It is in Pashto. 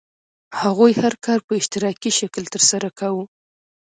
هغوی هر کار په اشتراکي شکل ترسره کاوه.